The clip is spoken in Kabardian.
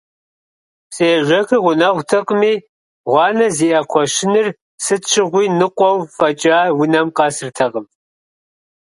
Псыежэхыр гъунэгъутэкъыми, гъуанэ зиӀэ кхъуэщыныр сыт щыгъуи ныкъуэу фӀэкӀа унэм къэсыртэкъым.